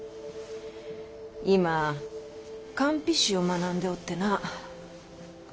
今韓非子を学んでおってな。